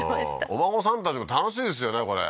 お孫さんたちも楽しいですよね、これ。